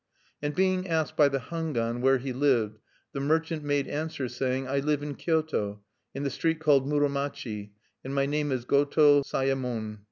And being asked by the Hangwan where he lived, the merchant made answer, saying: "I live in Kyoto, in the street called Muromachi, and my name is Goto Sayemon.